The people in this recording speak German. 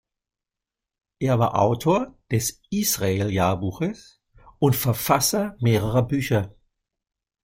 Er war Autor des "Israel-Jahrbuches" und Verfasser mehrerer Bücher.